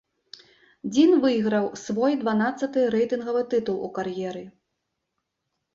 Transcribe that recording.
Дзін выйграў свой дванаццаты рэйтынгавы тытул у кар'еры.